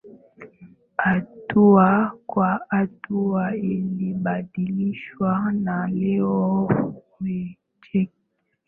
hatua kwa hatua ilibadilishwa Na leo Meskhetia